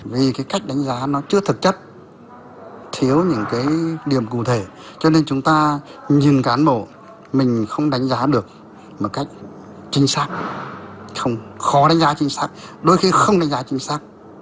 một cách chính xác không khó đánh giá chính xác đôi khi không đánh giá chính xác